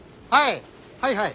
はい！